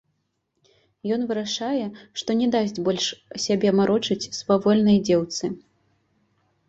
Ён вырашае, што не дасць больш сябе марочыць свавольнай дзеўцы.